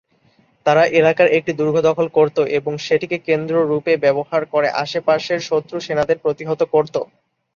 তারা এলাকার একটি দুর্গ দখল করতো এবং সেটি কে কেন্দ্র রূপে ব্যবহার করে আশেপাশের শত্রু সেনাদের প্রতিহত করত।